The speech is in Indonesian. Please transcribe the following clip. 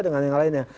dengan yang lainnya